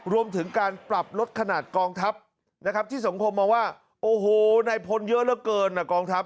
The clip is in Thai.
รวมถึงการปรับลดขนาดกองทัพนะครับที่สังคมมองว่าโอ้โหนายพลเยอะเหลือเกินกองทัพ